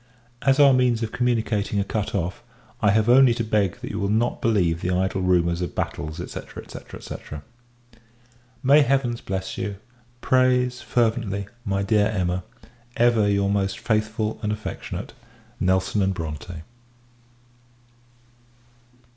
As our means of communicating are cut off, I have only to beg that you will not believe the idle rumours of battles, &c. &c. &c. May Heavens bless you! prays, fervently, my dear Emma, ever your most faithful and affectionate NELSON & BRONTE.